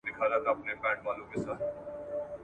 د دې وخت د زاهدانو په قرآن اعتبار نسته ,